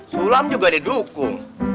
sulam juga didukung